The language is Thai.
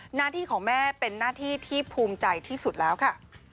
หน้าที่ของแม่เป็นหน้าที่ที่ภูมิใจที่สุดแล้วค่ะ